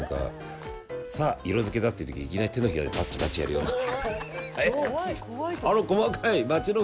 さあ、色づけだってときにいきなり手のひらでバッチバッチやるような。